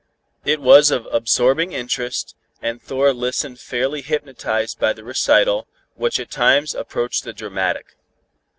It was of absorbing interest, and Thor listened fairly hypnotized by the recital, which at times approached the dramatic.